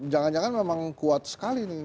jangan jangan memang kuat sekali nih